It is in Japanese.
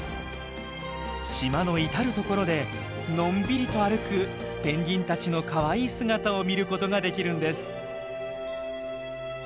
島の至る所でのんびりと歩くペンギンたちのかわいい姿を見ることができるんです。